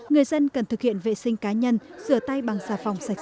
người dân cần thực hiện vệ sinh cá nhân rửa tay bằng xà phòng sạch